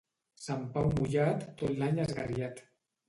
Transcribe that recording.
Sant Pau mullat, tot l'any esgarriat.